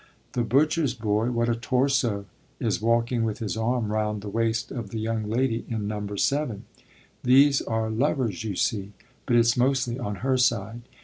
The butcher's boy what a torso! is walking with his arm round the waist of the young lady in Number seven. These are lovers, you see; but it's mostly on her side.